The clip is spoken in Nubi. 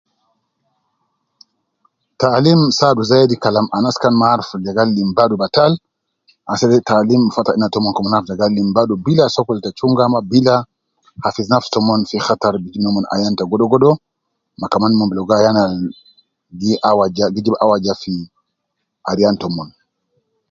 Taalim saadu zaidi kalam anas kan maruf je gal lim badu batal, asede taalim fata ena tomon ke omon aruf ja gal lim badu bila sokol te chunga ama bila hafiz nafsi tomon hattar bi jib nomon ayan ta godogodo, ma kaman mon gi ligo ayan al gi awaja ,gi jib awaja fi aryan tomon.